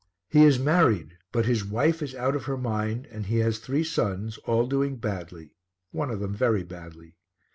He is married, but his wife is out of her mind, and he has three sons, all doing badly, one of them very badly.